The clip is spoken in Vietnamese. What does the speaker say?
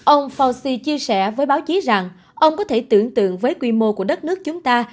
ông fauci chia sẻ với báo chí rằng ông có thể tưởng tượng với quy mô của đất nước chúng ta